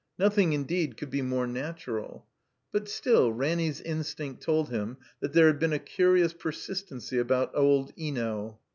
Nothing, indeed, could be more natural. But still Ranny's instinct told him that there had been a curious persistency about old Eno.